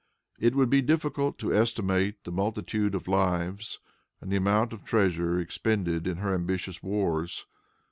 It would be difficult to estimate the multitude of lives and the amount of treasure expended in her ambitious wars.